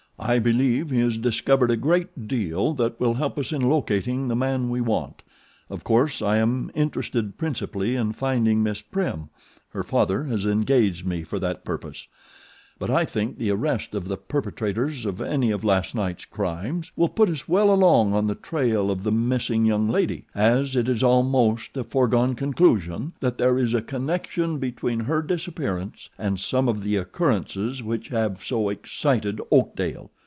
"I believe he has discovered a great deal that will help us in locating the man we want. Of course I am interested principally in finding Miss Prim her father has engaged me for that purpose; but I think the arrest of the perpetrators of any of last night's crimes will put us well along on the trail of the missing young lady, as it is almost a foregone conclusion that there is a connection between her disappearance and some of the occurrences which have so excited Oakdale.